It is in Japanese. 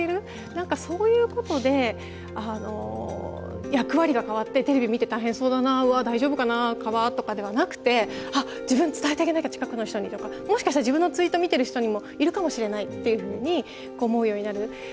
何かそういうことで役割が変わってテレビ見て「大変そうだな。うわ大丈夫かな川」とかではなくて「あっ自分伝えてあげなきゃ近くの人に」とか「もしかしたら自分のツイート見てる人にもいるかもしれない」っていうふうに思うようになる。